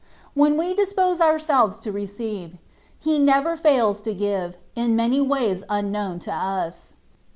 When we dispose ourselves to receive. He never fails to give, in many ways unknown to us.